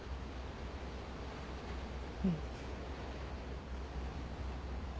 うん。